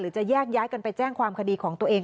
จะแยกย้ายกันไปแจ้งความคดีของตัวเอง